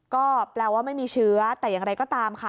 ก็แปลว่าไม่มีเชื้อแต่อย่างไรก็ตามค่ะ